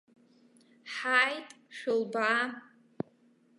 Ҳааит, шәылбаа.